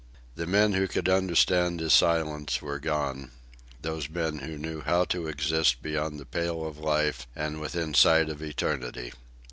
The men who could understand his silence were gone those men who knew how to exist beyond the pale of life and within sight of eternity.